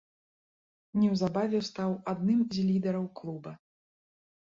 Неўзабаве стаў адным з лідараў клуба.